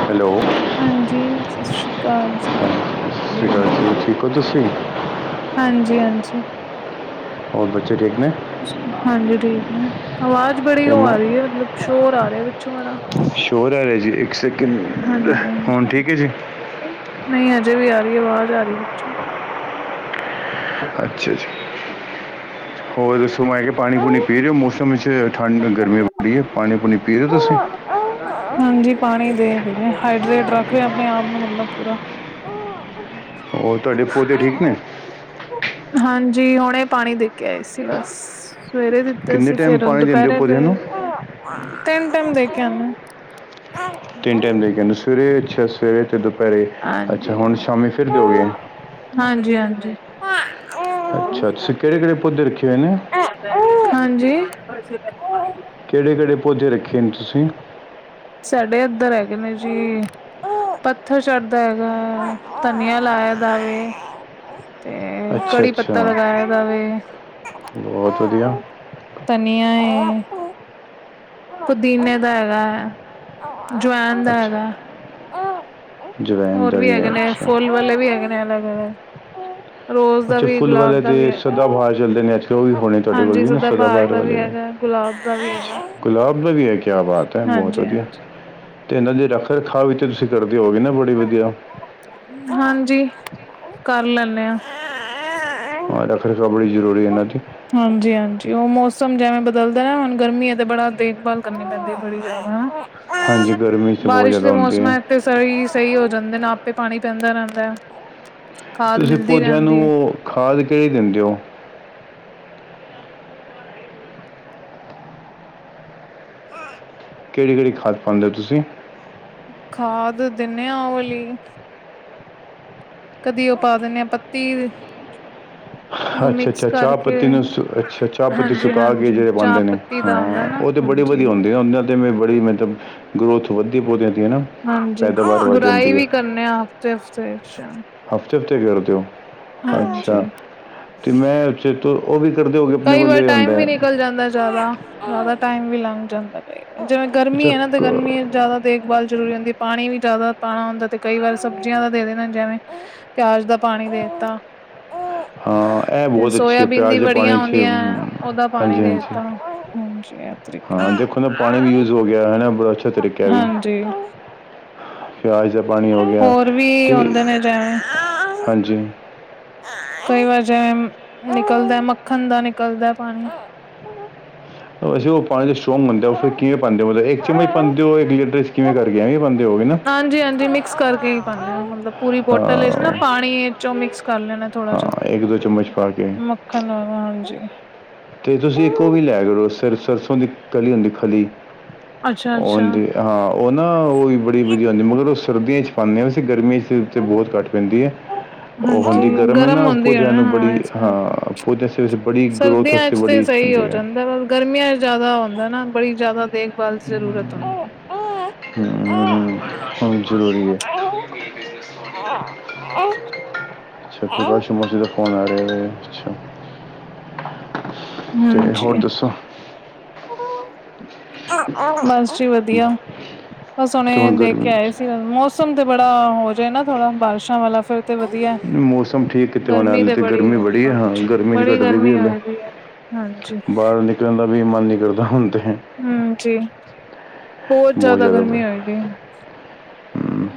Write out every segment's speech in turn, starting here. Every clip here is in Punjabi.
ਹੈਲੋ। ਹਾਂਜੀ ਸਤਿ ਸ੍ਰੀ ਅਕਾਲ ਜੀ। ਸਤਿ ਸ਼੍ਰੀ ਅਕਾਲ ਹਾਂਜੀ-ਹਾਂਜੀ, ਜ਼ੀ ਠੀਕ ਹੋ ਤੁਸੀ। ਹਾਂਜੀ ਹਾਂਜੀ। ਹੋਰ ਬੱਚੇ ਠੇਕ ਨੇ। ਹਾਂਜੀ ਠੀਕ ਨੇ ਆਵਾਜ਼ ਬੜੀ ਤੇ ਉਹ ਆ ਮੋ- ਰਹੀ ਹੈ ਮਤਲਬ ਸ਼ੋਰ ਆ ਰਿਹਾ ਵਿੱਚੋ ਬੜਾ। ਸ਼ੌਰ ਆ ਰਿਹਾ ਜੀ ਇੱਕ ਸੈਕਿੰਡ ਹੁਣ ਹਾਂਜੀ-ਹਾਂਜੀ। ਠੀਕ ਹੈ ਜੀ। ਨਹੀਂ ਅਜੇ ਵੀ ਆ ਰਹੀ ਆਵਾਜ਼ ਆ ਰਹੀ ਵਿੱਚੋ। ਅੱਛਾ ਅੱਛਾ ਹੋਰ ਦੱਸੋ ਮੈ ਕਿਹਾ ਪਾਣੀ ਪੂਣੀ ਪੀ ਰਹੇ ਹੋ ਮੌਸਮ ਵਿੱਚ। ਠੰਡ ਗਰਮੀ ਬੜੀ ਹੈ ਪਾਣੀ ਪੂਣੀ ਪੀਓ ਰੀਓ ਤੁਸੀਂ। ਹਾਂਜੀ ਪਾਣੀ ਦੇ ਪੀਵੇ, ਹਾਈਡਰੇਟ ਰੱਖ ਰਹੇ ਆਪਣੇ ਆਪ ਨੂੰ ਮਤਲਬ ਪੂਰਾ। ਹੋਰ ਤੁਹਾਡੇ ਪੌਦੇ ਠੀਕ ਨੇ? ਹਾਂਜੀ ਹੁਣੇ ਪਾਣੀ ਦੇ ਕੇ ਆਈ ਸੀ ਬਸ, ਸਵੇਰੇ ਦਿੱਤੇ ਕਿੰਨੇ ਸੀ ਟਾਈਮ ਫੇਰ ਹੁਣ ਪਾਣੀ ਦੁੱਪ ਦਿੰਦੇ ਹੋ ਪੌਦਿਆਂ ਨੂੰ ਤਿੰਨ ਟਾਈਮ ਦੇ ਕੇ ਆਨੇ ਤਿੰਨ ਆ। ਟਾਈਮ ਦੇ ਕੇ ਆਨੇ ਹੋ। ਸਵੇਰੇ ਅੱਛਾ ਸਵੇਰੇ ਤੇ ਦੁਪਹਿਰੇ ਅੱਛਾ ਹਾਂਜੀ, ਹੁਣ ਸ਼ਾਮੀ ਫਿਰ ਦਿਓਗੇ। ਹਾਂਜੀ-ਹਾਂਜੀ। ਅੱਛਾ-ਅੱਛਾ। ਕਿਹੜੇ ਕਿਹੜੇ ਪੌਦੇ ਰੱਖੇ ਹੋਏ ਨੇ? ਹਾਂਜੀ? ਕਿਹੜੇ ਕਿਹੜੇ ਪੌਜੇ ਰੱਖੇ ਨੇ ਤੁਸੀਂ? ਸਾਡੇ ਇੱਧਰ ਹੈਗੇ ਨੇ ਜੀ। ਹ ਪੱਥਰ ਚੜਦਾ ਹੈਗਾ ਹੈ, ਧਨੀਆ ਲਾਇਆ ਦਾਵੇ। ਤੇ ਅੱਛਾ ਕੜੀ ਅੱਛਾ ਪੱਤਾ ਲਗਾਇਆ ਦਾ ਵੇ। ਬਹੁਤ ਵਧੀਆ ਤਨੀਆਂ ਹੇ। ਪੁਦੀਨੇ ਦਾ ਹੈਗਾ ਹੈ, ਜੁਵੈਨ ਦਾ ਅੱਛਾ ਹੈਗਾ ਹੈ। ਜਵੈਨ ਹੋਰ ਦਾ ਵੀ ਹੈ ਹੈਗੇ ਨੇ। ਅੱਛਾ ਫੁੱਲ ਵਾਲੇ ਵੀ ਹੈਗੇ ਨੇ ਅਲੱਗ-ਅਲੱਗ। ਰੋਜ਼ [unintelligible] ਦਾ ਅੱਛਾ ਵੀ, ਫੁੱਲ ਗੁਲਾਬ ਵਾਲੇ ਦਾ ਦੇ ਵੀ ਹੈਗਾ। ਸਦਾਬਹਾਰ ਚੱਲਦੇ ਨੇ। ਅੱਛਾ ਉਹ ਵੀ ਹੋਣੇ ਤੁਹਾਡੇ ਕੋਲ ਹਾਂਜੀ ਵੀ ਨਾ ਸਦਾਬਹਾਰ ਸਦਾਬਾਰ ਦਾ ਵੀ ਵਾਲੇ। ਹੈਗਾ ਗੁਲਾਬ ਦਾ ਵੀ ਹੈਗਾ ਹੈ। ਅੱਛਾ ਗੁਲਾਬ ਵੀ ਹੈ, ਕਿਆ ਬਾਤ ਹੈ ਬਹੁਤ ਵਧੀਆ। ਹਾਂਜੀ ਤੇ ਇਹਨਾਂ ਦੇ ਰੱਖ ਰਖਾਅ ਵਿ ਤੁਸੀਂ ਕਰਦੇ ਹੋਗੇ ਨਾ ਬੜੀ ਵਧੀਆ। ਹਾਂਜੀ ਕਰ ਲੈਂਨੇ ਹਾਂ। ਹਾਂ ਰੱਖ ਰਖਾਵ ਬੜੀ ਜ਼ਰੂਰੀ ਹੇ ਇਹਨਾਂ ਦੀ। ਹਾਂਜੀ-ਹਾਂਜੀ। ਉਹ ਮੌਸਮ ਜਿਵੇਂ ਬਦਲਦਾ ਨਾ, ਹੁਣ ਗਰਮੀ ਹੈ ਤੇ ਬੜਾ ਦੇਖਭਾਲ ਕਰਨੀ ਪੈਂਦੀ ਹੈ ਥੋੜੀ ਜਿਆਦਾ। ਹਾਂਜੀ ਗਰਮੀ ਚ ਬਹੁਤ ਜ਼ਿਆਦਾ ਹੁੰਦੀ ਹੈ। ਤੇ ਸਹੀ, ਸਹੀ ਹੋ ਜਾਂਦੇ ਨੇ ਆਪੇ ਪਾਣੀ ਪੈਂਦਾ ਰਹਿੰਦਾ ਹੈ। ਖਾਦ ਤੁਸੀਂ ਮਿਲਦੀ ਪੌਦਿਆਂ ਰਹਿੰਦੀ ਨੂੰ ਉਹ ਖਾਦ ਕਿਹੜੀ ਦਿੰਦੇ ਹੋ? [unintelligible] ਕਿਹੜੀ ਕਿਹੜੀ ਖਾਦ ਪਾਉਂਦੇ ਹੋ ਤੁਸੀਂ? ਖਾਦ ਦਿੰਦੇ ਆ ਉਹ ਵਾਲੀ ਕਦੀ ਉਹ ਪਾ ਦਿੰਦੇ ਆੰ ਪੱਤੀ ਨੂੰ ਮਿਕਸ ਅੱਛਾ-ਅੱਛਾ ਚਾਹ ਕਰਕੇ ਪੱਤੀ ਨੂੰ ਸੁ ਅੱਛਾ ਚਾਹ ਪੱਤੀ ਹਾਂਜੀ ਸੁਕਾ ਕੇ ਹਾਂਜੀ ਜਿਹੜੇ ਚਾਹ ਪਾਂਦੇ ਨੇ। ਪੱਤੀ ਦਾ ਆਉਂਦਾ ਹਾਂ ਨਾ ਉਹ ਤਾਂ ਬੜੀ ਹਾਂਜੀ ਵਧੀਆ ਹੁੰਦੀ ਆ। ਉਹਨਾਂ ਤੇ ਮੈਂ ਬੜੀ ਮਤਲਬ ਗਰੋਥ ਵੱਧਦੀ ਪੌਦਿਆਂ ਦੀ ਹੈ ਨਾ। ਹਾਂਜੀ। ਪੈਦਾਵਾਰ ਵੱਧ ਗੁੜਾਈ ਜਾਂਦੀ ਹੈ ਵੀ ਕਰਨੇ ਆ ਹਫ਼ਤੇ ਹਫ਼ਤੇ। ਹਫ਼ਤੇ ਹਫ਼ਤੇ ਕਰਦੇ ਓ। ਅੱਛਾ ਹਾਂਜੀ। ਤੇ ਮੈਂ ਚੇ-ਤ-ਉਹ ਵੀ ਕਰਦੇ ਹੋਗੇ, ਆਪਣੇ ਕਈ ਕੋਲ ਵਾਰ ਇਹ ਹੁੰਦਾ ਟਾਈਮ ਵੀ ਹੇ। ਨਿਕਲ ਜਾਂਦਾ ਜ਼ਿਆਦਾ। ਜ਼ਿਆਦਾ ਟਾਈਮ ਵੀ ਲੰਗ ਜਾਂਦਾ, ਜਿਵੇਂ ਅੱਛਾ ਗਰਮੀ ਹੈ ਨਾ ਤੇ ਕ ਗਰਮੀ ਜ਼ਿਆਦਾ ਦੇਖਭਾਲ ਜ਼ਰੂਰੀ ਹੁੰਦੀ ਹੈ। ਪਾਣੀ ਵੀ ਜ਼ਿਆਦਾ ਪਾਉਣਾ ਹੁੰਦਾ ਤੇ ਕਈ ਵਾਰ ਸਬਜ਼ੀਆਂ ਦਾ ਦੇ ਦੇਣਾ, ਜਿਵੇਂ ਪਿਆਜ ਦਾ ਪਾਣੀ ਦੇ ਦਿੱਤਾ। ਹਾਂ ਇਹ ਬਹੁਤ ਅੱਛੇ ਹੈ। ਸੋਇਆਬੀਨ ਪਿਆਰ ਦੀ ਜ ਵੜੀਆਂ ਪਾਣੀ ਚ ਆਉਂਦੀਆਂ ਉਹਦਾ ਪਾਣੀ ਹਮਮ-ਹਾਂਜੀ-ਹਾਂਜੀ ਦੇਤਾ ਹਾਂਜੀ ਇਸ ਤਰੀਕੇ ਹਾਂ। ਦੇਖੋ ਨਾ ਪਾਣੀ ਵੀ ਨਾਲ। ਯੂਜ ਹੋ ਗਿਆ ਕੀਆ ਹੈ ਨ ਬੜਾ ਅੱਛਾ ਤਰੀਕਾ ਹ ਐਵੀ। ਹਾਂਜੀ, ਪਿਆਜ ਦਾ ਪਾਣੀ ਹੋ ਗਿਆ। ਹੋਰ ਵੀ ਤੇ ਹੁੰਦੇ ਨੇ ਜਿਵੇਂ ਹਾਂਜੀ ਕਈ ਵਜਾ ਉਮ-ਨਿਕਲਦਾ ਮੱਖਣ ਦਾ ਨਿਕਲਦਾ ਹੈ ਪਾਣੀ। ਅਸੀਂ ਉਹ ਪਾਣੀ ਚ [unintelligible] ਉਹ ਫਿਰ ਕਿਵੇਂ ਪਾਉਂਦੇ ਹੁੰਦੇ? ਇੱਕ ਚਮਚ ਪਾਂਦੇ ਹੋ ਇੱਕ ਲੀਡਰ ਚ ਕਿਵੇਂ ਕਰਕੇ ਐਵੇਂ ਪਾਉਂਦੇ ਹੋਗੇ ਨਾ? ਹਾਂਜੀ-ਹਾਂਜੀ। ਮਿਕਸ ਕਰਕੇ ਹੀ ਪਾਂਦੇ ਹਾਂ। ਮਤਲਬ ਪੂਰੀ ਬੋਟਲ ਵਿੱਚ ਨਾ ਹਾਂ ਪਾਣੀ ਚ ਮਿਕਸ ਕਰ ਲੈਣਾ ਥੋੜਾ ਹਾਂ ਇੱਕ ਜਹਾ। ਦੋ ਚਮਚ ਪਾ ਕੇ ਮੱਖਣ ਨਾਲ ਹਾਂਜੀ। ਤੇ ਤੁਸੀਂ ਇੱਕ ਉਹ ਵੀ ਲੈ ਕਰੋ ਸਰਸੋਂ ਦੀ ਕਲੀ ਹੁੰਦੀ ਖਲੀ। ਅੱਛਾ-ਅੱਛਾ। ਉਹਦੀ ਹਾਂ ਉਹ ਨਾ ਉਹ ਵੀ ਬੜੀ ਵਧੀਆ ਹੁੰਦੀ, ਮਗਰ ਉਹ ਸਰਦੀਆਂ ਚ ਪਾਉਂਦੇ ਹਾਂ ਅਸੀਂ ਗਰਮੀ ਇਸ ਉੱਤੇ ਬਹੁਤ ਘੱਟ ਪੈਂਦੀ ਹੈ ਉਹ ਹੁੰਦੀ ਹਾਂਜੀ ਗਰਮ ਹੈ ਨਾ ਹੁੰਦੀ ਹੈ ਭੋਜਿਆਂ ਨਾ ਨੂੰ ਹਾਂ ਬੜੀ ਇਸ ਹਾ ਕਰਕੇ ਬੜੀ ਗਰੋਥ ਸਰਦੀਆਂ ਬੜੀ ਤੇ ਅੱਛੀ ਸਹੀ ਹੋ ਹੁੰਦੀ ਹੈ ਜਾਂਦਾ ਬ ਗਰਮੀਆਂ ਜ਼ਿਆਦਾ ਹੁੰਦਾ ਨਾ ਬੜੀ ਜਿਆਦਾ ਦੇਖਭਾਲ ਦੀ ਜ਼ਰੂਰਤ ਹੁੰਦੀ ਆ ਹੋਹੁ ਜ਼ਰੂਰੀ ਹੈ ਹਾਂ ਅੱਛਾ ਕ ਮਜ ਦਾ ਫੋਨ ਆ ਰਿਹਾ ਅੱਛਾ ਅਤੇ ਹੋਰ ਦੱਸੋ ਬਸ ਜੀ ਵਧੀਆ ਬਸ ਉਹਨੇ ਤੇ ਹੁਣ ਦੇਖ ਕੇ ਗਰਮੀ ਆਏ ਸੀ ਚ- ਮੌਸਮ ਤੇ ਬੜਾ ਹੋ ਜਾਏ ਨਾ ਥੋੜਾ ਬਾਰਿਸ਼ਾਂ ਵਾਲਾ ਫੇਿਰ ਤੇ ਵਧੀਆ ਮੌਸਮ ਠੀਕ ਕਿਤੇ ਹੋਣ ਗਰਮੀ ਹਾਲੇ ਤੇ ਬੜੀ ਗਰਮੀ ਹੈ ਹਾਂ ਗਰਮੀ ਨਹੀਂ ਬੜੀ ਘਟਦੀ ਵੀ ਗਰਮੀ ਹਲੇ ਹੋਏਗੀ ਹੈ ਹਾਂਜੀ, ਬਾਹਰ ਨਿਕਲਣ ਦਾ ਵੀ ਮਨ ਨਹੀਂ ਕਰਦਾ ਹੁੰਦੇ ਤੇ ਹਮ ਜੀ ਬਹੁਤ ਜ਼ਿਆਦਾ ਗਰਮੀ ਹੋਈ ਦੀ ਏ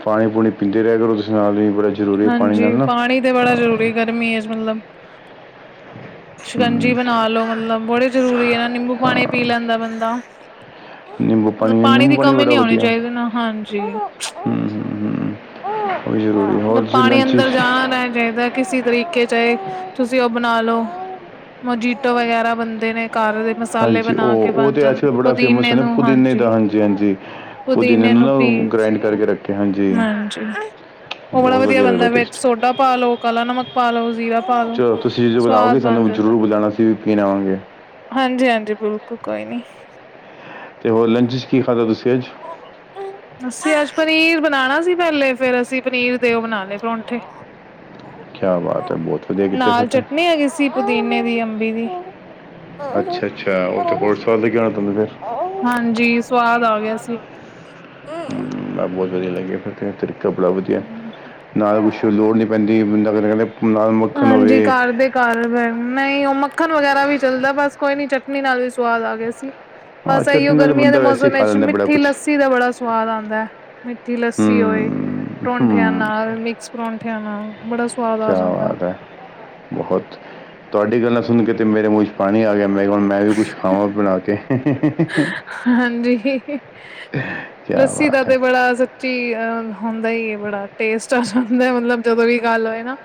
ਪਾਣੀ ਪੂਣੀ ਪੀਂਦੇ ਰਹਿ ਕਰੋ ਤੁਸੀਂ ਨਾਲ ਆਦਮੀ ਬੜਾ ਜ਼ਰੂਰੀ ਹੈ ਪਾਣੀ ਨਾਲ ਹਾਂਜੀ ਨਾ। ਪਾਣੀ ਤੇ ਬੜਾ ਜ਼ਰੂਰੀ ਗਰਮੀ ਮਤਲਬ। ਸ਼ਿਕੰਜੀ ਬਣਾ ਲੋ ਮਤਲਬ ਬੜੇ ਜ਼ਰੂਰੀ ਹੈ ਨਾ ਨਿੰਬੂ ਪਾਣੀ ਪੀ ਲੈਂਦਾ ਬੰਦਾ। ਨਿੰਬੂ ਤ ਪਾਣੀ ਨਿੰਬੂ ਦੀ ਕਮੀ ਬੜਾ ਨਹੀਂ ਹੋਣੀ ਵਧੀਆ ਚਾਹੀਦੀ ਹਾਂਜੀ। ਉਹ ਵੀ ਜ਼ਰੂਰੀ ਹੈ। ਹੋਰ ਮਤ ਤੁਸੀਂ ਪਾਣੀ ਲੰਚ 'ਚ ਅੰਦਰ ਜਾਣਾ ਰੈਣਾ ਚਾਹੀਦਾ। ਕਿਸੇ ਤਰੀਕੇ ਚ ਤੁਸੀਂ ਉਹ ਬਣਾ ਲਓ। ਮੋਜੀਟੋ ਵਗੈਰਾ ਬਣਦੇ ਨੇ ਘਰ ਦੇ। ਮਸਾਲੇ ਹਾਂਜੀ ਬਣਾ ਕੇ ਉਹ ਉਹ ਬਣ ਤੇ ਅੱਜ ਕ ਜਾਂਦੇ ਬੜਾ ਫੇਮਸ ਪੁਦੀਨੇ ਨਾ ਨੂੰ ਪੁਦੀਨੇ ਦਾ ਹਾਂਜੀ ਹਾਂਜੀ ਪੁਦੀਨੇ ਨੂੰ ਨਾ ਗ੍ਰਡ। ਕਰਕੇ ਰੱਖੇ ਹਾਂਜੀ। ਉਹ ਬੜਾ ਬਹੁਤ ਵਧੀਆ ਬਣਦਾ ਲੱਗਦਾ ਵ ਟੇਸਟ ਸੋਡਾ ਪਾ ਲੋ ਕਾਲਾ ਨਮਕ ਪਾ ਲੋ ਜ਼ੀਰਾ ਪਾ ਲੋ। ਅ ਚੀਜ਼ ਸਵਾਦ ਬੁਾਓਗੇ ਬਣ ਸਾਨੂੰ ਜਾਂਦਾ ਜ਼ਰੂਰ ਬੁਾਉਣਾ ਅਸੀ ਵੀ ਪੀਣ ਆਵਾਂਗੇ। ਹਾਂਜੀ ਹਾਂਜੀ ਬਿਲਕੁਲ ਕੋਈ ਨੀ। ਅਤੇ ਹੋਰ ਲੰਚ 'ਚ ਕੀ ਖਾਧਾ ਤੁਸੀਂ ਅੱਜ। ਅਸੀਂ ਅੱਜ ਪਨੀਰ ਬਣਾਉਣਾ ਸੀ ਪਹਿਲੇ ਫੇਰ ਅਸੀਂ ਪਨੀਰ ਦੇ ਦਿਓ ਬਣਾ ਲਏ ਪਰੌਂਠੇ। ਕਿਆ ਬਾਤ ਹੈ ਬਹੁਤ ਵਧੀਆ ਕਿੱਤੇ ਫਿਰਥ ਕਿਸਸੀ ਪੁਦੀਨੇ ਦੀ ਅੰਬੀ ਦੀ ਅੱਛਾ ਅੱਛਾ ਉੱਥੇ ਪੁਲਿਸਵਾਲ ਦੇਰ ਤੋ ਹਾਂਜੀ ਸਵਾਦ ਆ ਗਿਆ ਸੀ ਮੈਂ ਬਹੁਤ ਵਧੀਆ ਲੱਗਿਆ ਫਿਰ ਤਰੀਕਾ ਬੜਾ ਵਧੀਆ ਨਾਲ ਕੁਛ ਲੋੜ ਨਹੀਂ ਪੈਂਦੀ ਬੰਦਾ ਅ ਕਹਿੰਦੇ। ਨਾਲ ਮੱਖਣ ਹੋਵੇ ਹਾਂਜੀ ਕਾਰ ਦੇ। ਕਰ ਨਹੀਂ ਉਹ ਮੱਖਣ ਵਗੈਰਾ ਵੀ ਚੱਲਦਾ ਬਸ ਕੋਈ ਨੀ ਚਟਨੀ ਨਾਲ ਵੀ ਸਵਾਦ ਆ ਗਿਆ ਸੀ। ਆ ਬਸ ਆਈਓ ਚਟਨੀ ਨਾਲ ਤਾਂ ਗਰਮੀਆਂ ਦੇ ਬੰਦਾ ਵੈਸੇ ਹੀ ਮੌਸਮ ਖਾ ਵਿੱਚ ਲੈਂਦਾ ਬੜਾ ਮਿੱਠੀ ਲੱਸੀ। ਕੁਝ ਲੱਸੀ ਦਾ ਬੜਾ ਸਵਾਦ ਆਉਂਦਾ ਹੈ ਮਿੱਠੀ ਹੂੰ ਲੱਸੀ ਹੋਏ। ਪਰੌਂਠਿਆਂ ਹੂੰ ਨਾਲ ਮਿਕਸ ਪਰੌਂਠਿਆਂ ਨਾਲ। ਬੜਾ ਸੁਵਾਦ ਛਿਆ ਬਾਤ ਹੈ ਬਹੁਤ ਤੁਹਾਡੀ ਗੱਲਾਂ ਸੁਣ ਕੇ ਤੇ ਮੇਰੇ ਮੂੰਹ ਚ ਪਾਣੀ ਆ ਗਿਆ। ਮੇਰੇ ਮੈਂ ਵੀ ਕੁਛ ਖਾਵਾਂ ਵੀ ਬਣਾਕੇ। ਹਾਂਜੀ ਕੀ ਲੱਸੀ ਦਾ ਬਾਤ ਤੇ ਹੈ ਬੜਾ। ਹੁੰਦਾ ਹੈ ਬੜਾ ਟੇਸਟ ਹੁੰਦਾ ਮਤਲਬ ਜਦੋਂ ਵੀ ਗੱਲ ਹੋਏ ਨਾ।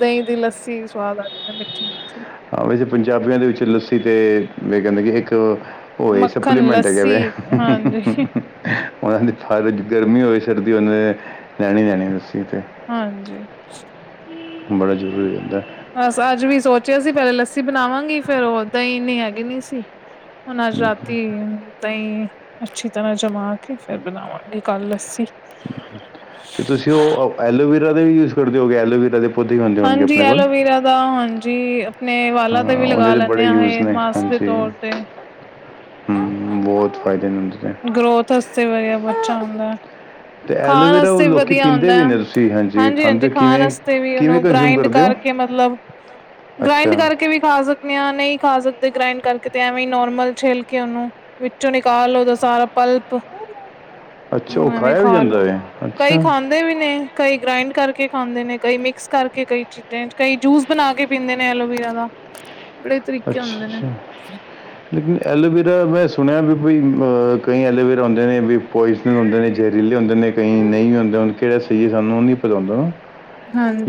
ਦਹੀਂ ਦੀ ਲੱਸੀ ਸਵਾਦ ਆ ਜਾਂਦਾ ਮਿੱਠੀ ਮਿੱਠੀ। ਹਾਂ ਵੈਸੇ ਪੰਜਾਬੀਆਂ ਦੇ ਵਿੱਚ ਲੱਸੀ ਤੇ ਮ ਕਹਿੰਦੇ ਕਿ ਇੱਕ। ਉਹੀ ਮੱਖਣ ਸਪਲੀਮੈਂਟ ਲੱਸੀ ਕਿਵੇਂ ਹਾਂਜੀ ਉਹਨਾਂ ਦੀ ਫ ਗਰਮੀ ਹੋਵੇ ਸਰਦੀ ਉਹਨਾਂ ਦੇ ਲੈਣੀ ਲੈਣੀ ਲੱਸੀ ਤੇ ਹਾਂਜੀ, ਬੜਾ ਜ਼ਰੂਰੀ ਹਦਾ। ਬਸ ਅੱਜ ਵੀ ਸੋਚਿਆ ਸੀ ਪਹਿਲੇ ਲੱਸੀ ਬਣਾਵਾਂਗੀ ਫੇਰ ਹੋ ਦਹੀ ਨੀ ਹੈਗੀ ਨੀ ਸੀ। ਹੁਣ ਅੱਜ ਰਾਤੀ ਤਾਈ ਅੱਛੀ ਤਰ੍ਹਾਂ ਜਮਾ ਕੇ ਫਿਰ ਬਣਾਵਾਂਗੇ ਕੱਲ ਲੱਸੀ। ਤੇ ਤੁਸੀਂ ਉਹ ਐਲੋਵੀਰਾ ਦਾ ਵੀ ਯੂਜ ਕਰਦੇ ਹੋਗੇ ਐਲੋਵਰਾ ਦੇ ਪੌਦੇ ਵੀ ਹੁੰਦੇ ਹੋਣਗੇ ਹਾਂਜੀ ਆਪਣੇ ਕੋਲ ਐਲੋਵਰਾ ਦਾ ਹਾਂਜੀ ਆਪਣੇ ਵਾਲਾ ਹਾਂ ਤੇ ਵੀ ਲਗਾ ਉਹਦੇ ਬੜੇ ਲੈਂਦੇ ਹਾਂ ਯੂਜ਼ ਇਹ ਨੇ ਮਾਸਕ ਦੇ ਹਾਂਜੀ ਤੌਰ ਤੇ ਹਮ, ਬਹੁਤ ਫਾਇਦੇ ਨੇ ਉਹਦੇ ਤੇ। ਗਰੋਥ ਵਾਸਤੇ ਵਆ ਬੱਚਾ ਹੁੰਦਾ। [unintelligible] ਅਤੇ ਖਾਣ ਐਲੋਵੇਰਾ ਉਹ ਵਾਸਤੇ ਵੀ ਲੋਕ ਵਧੀਆ ਪੀਂਦੇ ਹੁੰਦਾ ਵੀ ਹੈ। ਨੇ ਤੁਸੀਂ ਹਾਂਜੀ ਖਾਂਦੇ ਹੋ ਖਾਣ ਕਿਵੇਂ ਵਾਸਤੇ ਵੀ ਕਿਵੇਂ ਉਹਨੂੰ ਕੰਜ਼ਿਊਮ ਗ੍ਰਾਇੰਡ ਕਰਦੇ ਹੋ। ਕਰਕੇ ਮਤਲਬ ਗ੍ਰਾਇੰਡ ਅੱਛਾ ਕਰਕੇ ਵੀ ਖਾ ਸਕ ਆਪ ਨਹੀਂ ਖਾ ਸਕਦੇ ਗ੍ਰਾਇੰਡ ਕਰਕੇ ਤੇ ਐਵੇਂ ਨੋਰਮਲ ਛੇਲ ਕੇ ਉਹਨੂੰ ਵਿੱਚੋਂ ਨਿਕਾਲੋਦਾ ਸਾਰਾ ਪਲਪ ਅੱਛਾ, ਉਹ ਖਾਇਆ ਵੀ ਜਾਂਦਾ ਹੈ ਅੱਛਾ। ਦੇ ਵੀ ਨੇ ਕਈ ਗ੍ਰਾਇੰਡ ਕਰਕੇ ਖਾਂਦੇ ਨੇ। ਕਈ ਮਿਕਸ ਕਰਕੇ ਕਈ ਚੀ ਚਾਂ ਕਈ ਜੂਸ ਬਣਾ ਕੇ ਪੀਂਦੇ ਨੇ ਐਲੋਵੇਰਾ ਦਾ ਬੜੇ ਤਰੀਕੇ ਅੱਛਾ ਹੁੰਦੇ ਨੇ ਅੱਛਾ ਲੇਕਿਨ ਐਲੋਵੀਰਾ ਮੈਂ ਸੁਣਿਆ ਵੀ ਬਈ ਕਈ ਐਲੋਵੇਰਾ ਹੁੰਦੇ ਨੇ ਵੀ ਹੁੰ ਨੇ ਜ਼ਹਿਰੀਲੇ ਹੁੰਦੇ ਨੇ। ਕਈ ਨਹੀਂ ਵੀ ਹੁੰਦੇ ਕਿਹੜਾ ਸਹੀ ਹੈ ਸਾਨੂੰ ਉਹ ਨੀ ਪਤਾ ਹੁੰਦਾ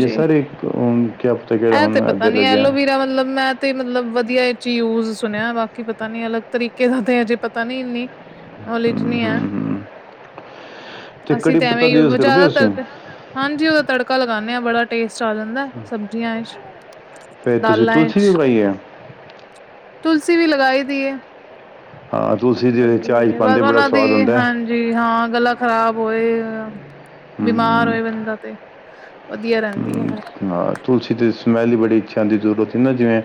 ਇਹ ਸਾਰੇ ਕਿ ਪਤਾ ਕਿਹੜਾ ਇਹ ਤੇ ਹੁੰਦਾ ਇੱਦ ਪਤਾ ਨੀ ਲੱਗਿਆ। ਐਲੋਵੀਰਾ ਮਤਲਬ ਮੈਂ ਤੇ ਮਤਲਬ ਵਧੀਆ ਇਹ ਯੂਜ ਸੁਣਿਆ ਬਾਕੀ ਪਤਾ ਨੀ ਅਲੱਗ ਤਰੀਕੇ ਦਾ ਤੇ ਹਜੇ ਪਤਾ ਨੀ ਇੰਨੀ ਉਹ ਲਿਜਨੀ ਆ। ਤੇ ਕੜੀ ਐਵੇਂ ਪੁੱਤਾ ਯੂਸ ਹੀ ਕਰਦੇ ਤੁਸੀ। ਜ਼ਿਆਦਾਤਰ ਤੇ ਹਾਂਜੀ। ਉਹਦਾ ਤੜਕਾ ਲਗਾਂਦੇ ਆ ਬੜਾ ਟੇਸਟ ਆ ਜਾਂਦਾ ਸਬਜ਼ੀਆਂ ਫੇਰ ਤੁਸੀਂ ਦਾਲਾਂ ਤੁਲਸੀ ਚ ਵੀ ਉਗਾਈ ਹੈ। ਤੁਲਸੀ ਵੀ ਲਗਾਈ ਦੀ ਹੈ। ਹਾਂ ਤੁਸੀਂ ਲੱਗੀ ਹੋ ਹੈ ਬੱਸ ਉਹਨਾਂ ਦੀ ਹਾਂਜੀ ਜੀ ਹਾ। ਗਲਾ ਖ਼ਰਾਬ ਹੋਏ ਬਿਮਾਰ ਹਮ ਹੋਏ ਬੰਦਾ ਤੇ ਵਧੀਆ ਰਹਿੰਦੀ। ਤੁਲਸੀ ਦੇ ਸਮੈੱਲ ਹੀ ਬੜੀ ਅੱਛਾ ਆੁੰ ਦੀ ਜ਼ਰੂਰਤੁੰ ਨਾ ਜਿਂਵੇਂ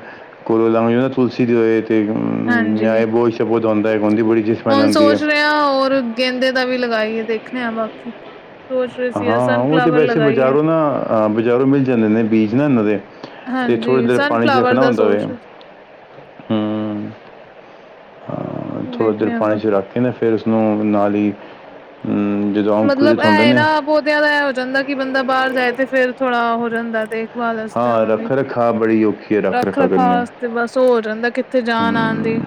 ਕੋਲੇ ਲਾਉ ਤੁਲਸੀ ਦੀ ਹੋਏ। ਅਤੇ ਹਾਂਜੀ ਨਿਆਏ ਬੋਝ ਸ਼ਬੋਤ ਆਉਂਦਾ ਉਹਦੀ ਬੜੀ ਸਮੈਲ ਆਂਦੀ ਹੈ। ਗੇਦੇ ਦਾ ਵੀ ਲਗਾਈਏ ਦੇਖਣੇ ਆ ਬਾਕੀ ਸੋਚ ਰ ਹਾਂ। ਉਹ ਤਾਂ ਵੈਸੇ ਬਾਜ਼ਾਰੋਂ ਨਾ ਬਾਜ਼ਾਰੋਂ ਮਿਲ ਜਾਂਦੇ ਨੇ ਬੀਜ ਨਾ ਇਹਨਾਂ ਦੇ ਤੇ ਥੋੜ੍ਹੀ ਹਾਂਜੀ, ਦੇਰ ਪਾਣੀ ਚ, ਸਨਫਲਾਵਰ ਰੱਖਣਾ ਦਾ ਹੁੰਦਾ ਵ ਸੋਚ ਰਹੇ ਸੀ। ਥੋੜ੍ਹਾ ਦੇਰ ਦੇਖਣੇ ਆ ਮੈਂ, ਪਾਣੀ 'ਚ ਰੱਖ ਕੇ, ਨਾ ਫਿਰ ਉਸਨੂੰ ਨਾਲ ਹੀ ਜਦੋਂ ਮਤਲਬ ਅੰਕੁਰਿਤ ਹੁੰਦੇ ਇਹ ਨਾ ਨੇ ਪੌਦਿਆਂ ਦਾ ਇਹ ਹੋ ਜਾਂਦਾ ਕਿ ਬੰਦਾ ਬਾਹਰ ਜਾਏ ਤੇ ਫੇਰ ਥੋੜਾ ਹੋ ਜਾਂਦਾ ਤੇ ਦੱਸਤੇ ਹਾਂ ਉਹਨਾਂ ਦੀ ਰੱਖ ਰਖਾ ਬੜੀ ਔਖੀ ਹੈ ਰੱਖ ਰਖਾ ਕਰਨੀ ਰਖਾਸ [inaudible] ਤੇ ਬੱਸ ਹੋ ਜਾਂਦਾ ਕਿੱਥੇ ਜਾਣ ਆਉਣ ਦੀ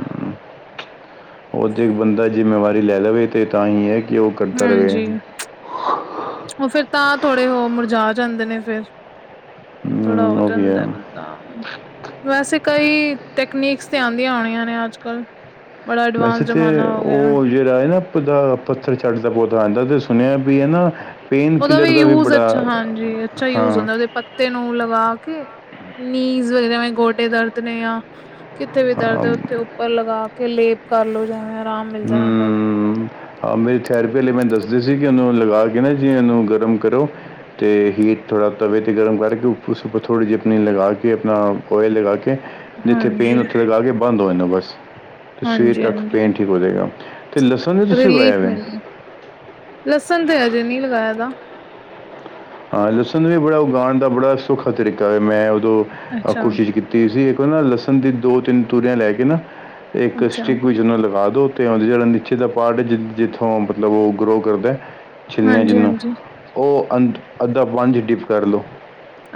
ਉ ਜੇ ਬੰਦਾ ਜ਼ਿੰਮੇਵਾਰੀ ਲੈ ਲਵੇ ਤੇ ਤਾਂ ਹੀ ਹੈ ਕਿ ਉਹ ਕਰਦਾ ਹਾਂਜੀ ਰਵੇ ਉਹ ਫਿਰ ਤਾਂ ਥੋੜੇ ਉਹ ਮੁਰਝਾ ਜਾਂਦੇ ਨੇ ਫਿਰ ਥੋੜਾ ਉਹ ਠੰਡ ਹੈ ਬੰ ਵੈਸੇ ਕਈ ਟੈਕਨੀਕਸ ਤੇ ਆਉਂਦੀਆਂ ਹੋਣੀਆਂ ਨੇ ਅੱਜ ਕੱਲ ਬੜਾ ਐਡਵਾਂਸ ਵੈਸੇ ਤੇ ਜ਼ਮਾਨਾ ਹੋ ਗਿਆ ਉਹ ਜਿਹੜੇ ਦਾ ਪੱਥਰ ਚੱਟ ਦਾ ਪੌਦਾ ਆਉਂਦਾ ਤੇ ਸੁਣਿਆ ਵੀ ਹਨਾ ਉਹਦਾ ਵੀ ਯੂਜ ਅੱਛਾ ਹਾਂਜੀ, ਅੱਛਾ ਯੂਜ ਹਾਂ ਹੁੰਦਾ ਉਹਦੇ ਤੇ ਨੂੰ ਲਗਾ ਕੇ ਨੀਜ਼ ਵਗੈਰਾ ਗੋਡੇ ਦਰਦ ਨੇ ਆ ਕਿੱਥੇ ਵੀ ਦਰਦ ਹਾਂ ਹੈ। ਉੱਥੇ ਉੱਪਰ ਲਗਾ ਕੇ ਲੇਪ ਕਰ ਲਓ ਜਿਵੇਂ ਆਰਾਮ ਮਿਲਦਾ ਰਹਿੰਦਾ ਉਹ ਮੇਰੀ ਥੈਰਪੀ ਵਾਲੇ ਮੈਂ ਦੱਸਦੇ ਸੀ। ਕਿ ਉਹਨੂੰ ਲਗਾ ਕੇ ਨਾ ਜੀ ਉਹਨੂੰ ਗਰਮ ਕਰੋ। ਅਤੇ ਹੀਟ ਥੋੜ੍ਹਾ ਤਵੇ ਤੇ ਗਰਮ ਕਰਕੇ ਉਸ ਉੱਪਰ ਥੋੜ੍ਹੀ ਜਿਹੀ ਆਪਣੀ ਲਗਾ ਕੇ ਆਪਣਾ ਓਇਲ ਲਗਾ ਕੇ ਜਿੱਥੇ ਪੇਨ ਹਾਂਜੀ, ਉੱਥੇ ਲਗਾ ਕੇ ਬੰਨ ਹੋਏ ਬਸ ਸਵੇਰ ਹਾਂਜੀ, ਤੱਕ ਹਾਂਜੀ ਪੇਨ ਠੀਕ ਹੋ ਜਾਏਗਾ। ਤੇ ਲਸਣ ਵੀ ਤੁਸੀਂ ਰਿਲੀਫ ਉਗਾਇਆ ਵੇ ਮਿਲਦਾ। ਲਸਣ ਤੇ ਹਜੇ ਨਹੀਂ ਲਗਾਇਆ ਦਾ ਹਾਂ। ਲੱਸਣ ਵੀ ਬੜਾ ਉਗਾਉਣ ਦਾ ਬੜਾ ਸੌਖਾ ਤਰੀਕਾ ਹੈ। ਮੈਂ ਉਦੋਂ ਅੱਛਾ, ਕੋਸ਼ਿਸ਼ ਕੀਤੀ। ਸੀ। ਇੱਕ ਨਾ ਲਸਣ ਦੀ ਦੋ -ਤਿੰਨ ਤੂਰੀਆਂ ਲੈ ਕੇ ਨਾ ਇੱਕ ਅੱਛਾ ਸਟੀਕ ਵਿਚ ਉਨੂੰ ਲਗਾ ਦੋ। ਜਿਹੜਾ ਨਿੱਚੇ ਦਾ ਪਾਰਟ ਹੈ ਜ ਜਿੱਥੋਂ ਮਤਲਬ ਉਹ ਗਰੋ ਕਰਦਾ ਛਿੱਲੇ ਹਾਂਜੀ, ਜਿਹਨੂੰ ਹਾਂਜੀ ਉਹ ਅੰ ਅੱਧਾ ਪਾਣੀ 'ਚ ਡਿਪ ਕਰ ਲਉ-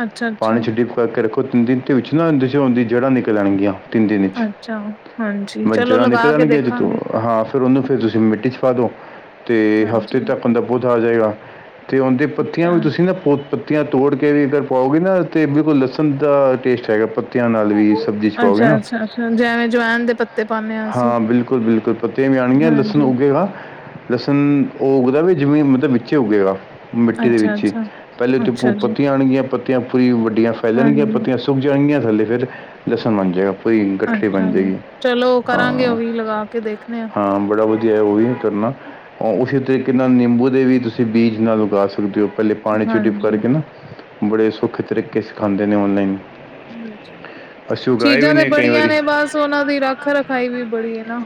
ਅੱਛਾ, ਪਾਣੀ ਅੱਛਾ, 'ਚ ਡਿਪ ਕਰਕੇ ਰੱਖੋ। ਉਹ ਤਿੰਨ ਦਿਨ ' ਵਿੱਚੋਂ ਨਾ ਉਹਨਾਂ ਦੇ ਦੀ ਜੜ੍ਹਾ ਨਿਕਲ ਆਣਗੀਆਂ। ਤਿੰਨ ਦਿਨ ਚ ਅੱਛਾ ਹਾਂਜੀ ਚਲੋ ਜੜ੍ਹਾ ਲਗਾ ਕੇ ਨਿਕਲਣਗੀਆਂ ਅੱਜ ਤੋਂ ਦੇਖਾਂਗੇ ਹਾਂ। ਫੇਰ ਉਹਨੂੰ ਫਿਰ ਤੁਸੀਂ ਮਿੱਟੀ ਚ ਪਾ ਦੋ ਤੇ ਹਫ਼ਤੇ ਹਾਂਜੀ। ਤੱਕ ਦਾ ਪੌਤ ਆ ਜਾਏਗਾ ਤੇ ਉਹਦੇ ਪਤੀ ਅੱਛਾ, ਤੁਸੀਂ ਨਾ ਪੋ ਪੱਤੀਆਂ ਤੋੜ ਕੇ ਵੀ ਅਗਰ ਪਾਓਗੇ ਨਾ ਤਾਂ ਬਿਲਕੁਲ ਲਸਣ ਦਾ ਟੇਸਟ ਹੈਗਾ ਪੱਤਿਆਂ ਨਾਲ ਵੀ ਸਬਜ਼ੀ ਚ ਪਾਓਗੇ ਅੱਛਾ, ਨਾ ਅੱਛਾ, ਅੱਛਾ ਜਿਵੇਂ ਜਵੈਨ ਦੇ ਪੱਤੇ ਪਾਨੇ ਅਸੀਂ ਹਾਂ ਬਿਲਕੁਲ ਬਿਲਕੁਲ ਪ ਮ ਜਾਣਗੀਆਂ ਲਸਣ ਹਾਂਜੀ। ਉੱਗੇਗਾ ਲਸਣ ਉਗਦਾ ਵੀ ਜਮੀਨ ਮਤਲਬ ਵਿੱਚ ਉੱਗੇਗਾ ਟੀ ਦੇ ਅੱਛਾ, ਵਿੱਚ ਹੀ ਅੱਛਾ, ਪਹਿਲੇ ਉੱਥੇ ਅੱਛਾ ਜੀ ਪਤੀਆਂ ਆਣਗੀਆਂ ਪ ਪੱਤੀਆਂ ਪੂਰੀ ਵੱਡੀਆਂ ਫੈਲ ਜਾਣਗੀਆਂ ਹਾਂਜੀ, ਪੱਤੀਆਂ ਸੁੱਕ ਜਾਣਗੀਆਂ ਥੱਲੇ ਫਿਰ ਲੱਸਣ ਬਣ ਜਾਵੇਗਾ ਕੋਈ ਗੱਠੜ ਬਣ ਅੱਛਾ ਜੀ। ਜਾਏਗੀ ਚਲੋ ਕਰਾਂਗੇ ਹਾਂ ਉਹ ਵੀ ਲਗਾ ਕੇ ਦੇਖਣੇ ਆ ਹਾਂ ਬੜਾ ਵਧੀਆ ਉਹ ਵੀ ਕਰਨਾ ਉਸੇ ਤਰੀਕੇ ਨਾਲ ਨਿੰਬੂ ਦੇ ਵੀ ਤੁਸੀਂ ਬੀਜ ਨਾਲ ਉਗਾ ਸਕਦੇ ਹੋ ਪਹਿਲੇ ਪਾਣੀ ਚ ਡਿਪ ਹਾਂਜੀ, ਕਰਕੇ ਨਾ ਬੜੇ ਸੌਖੇ ਤਰੀਕੇ ਸਿਖਾਉਂਦੇ ਨੇ ਔਨਲਾਈਨ ਹ ਅਸੀਂ ਉਗਾਏ ਵੀ ਚੀਜ਼ਾਂ ਤੇ ਨੇ ਕਈ ਬੜੀਆਂ ਵਾਰੀ ਨੇ ਬਸ ਉਹਨਾਂ ਦੀ ਰੱਖ ਰਖਾਈ ਵੀ ਬੜੀ ਹੈ ਨਾ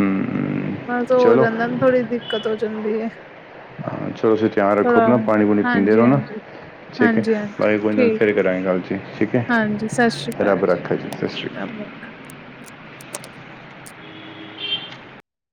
ਹੂੰ ਬਸ ਹੋ ਚਲੋ ਜਾਂਦਾ ਥੋੜ੍ਹੀ ਦਿੱਕਤ ਹੋ ਜਾਂਦੀ ਹਾਂ, ਚਲੋ ਤੁਸੀਂ ਧਿਆਨ ਰੱਖੋ ਥੋੜਾ ਆਪਣਾ ਪਾਣੀ ਪੂਣੀ ਪੀਂਦੇ ਹਾਂਜੀ ਰਹੋ ਨਾ ਹਾਂਜੀ ਠੀਕ ਹੈ ਹਾਂਜੀ ਹਾਂਜੀ ਬਾਕੀ ਕੋਈ ਨਾ ਫਿਰ ਠੀਕ ਹੈ ਕਰਾਂਗੇ ਗੱਲ ਜੀ ਠੀਕ ਹੈ ਹਾਂਜੀ ਸਤਿ ਸ੍ਰੀ ਰੱਬ ਅਕਾਲ ਰੱਖਾ ਸਤਿ ਸ਼੍ਰੀ ਅਕਾਲ ਜੀ